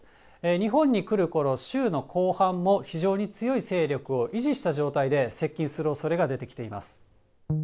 日本に来るころ、週の後半も、非常に強い勢力を維持した状態で接近するおそれが出てきています。